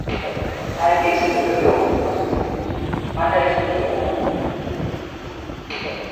Hy fytste yn 'e rjochting fan syn hús mar dêr is er nea oankommen.